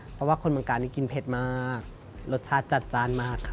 เพราะว่าคนบางการกินเผ็ดมากรสชาติจัดจานมากครับ